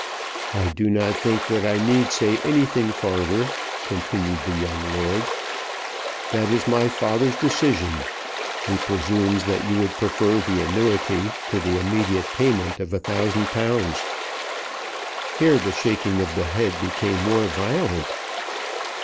"I do not think that I need say anything farther," continued the young lord. "That is my father's decision. He presumes that you would prefer the annuity to the immediate payment of a thousand pounds." Here the shaking of the head became more violent.